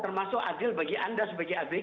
termasuk adil bagi anda sebagai adil